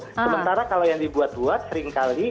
sementara kalau yang dibuat buat seringkali